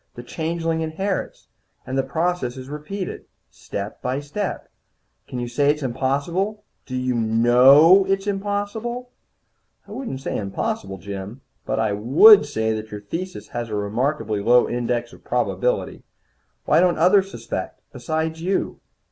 The changeling inherits, and the process is repeated, step by step. Can you say it's impossible? Do you know it's impossible?" "I wouldn't say impossible, Jim. But I would say that your thesis has a remarkably low index of probability. Why don't others suspect, besides you?"